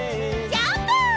ジャンプ！